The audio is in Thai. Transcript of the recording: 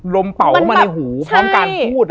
มเป๋ามาในหูพร้อมการพูด